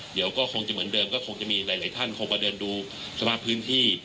เดี๋ยวก็คงจะเหมือนเดิมก็คงจะมีหลายท่านคงมาเดินดูสภาพพื้นที่